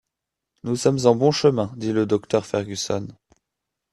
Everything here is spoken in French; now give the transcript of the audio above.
Nous sommes en bon chemin, dit le docteur Fergusson.